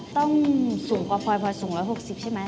ต้องสูงพอพอสูง๑๖๐ใช่ไหม